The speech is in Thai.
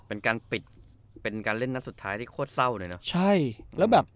เป็นการปิดเป็นการเล่นนัดสุดท้ายที่โคตรเศร้าเลยเนอะใช่แล้วแบบ